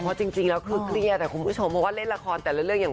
เพราะจริงแล้วคุณผู้ชมบอกว่าเล่นละครแต่ละเรื่องอย่าง